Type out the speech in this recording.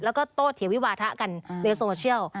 แล้วก็โต้เถียวิวาทะกันในโซเชียล